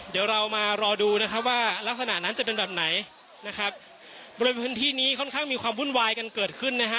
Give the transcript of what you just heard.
เดี๋ยวเรามารอดูนะครับว่ารักษณะนั้นจะเป็นแบบไหนนะครับบริเวณพื้นที่นี้ค่อนข้างมีความวุ่นวายกันเกิดขึ้นนะฮะ